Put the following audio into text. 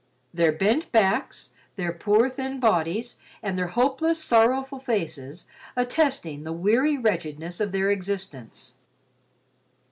Their bent backs, their poor thin bodies and their hopeless, sorrowful faces attesting the weary wretchedness of their existence.